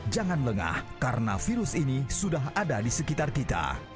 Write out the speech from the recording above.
jangan lengah karena virus ini sudah ada di sekitar kita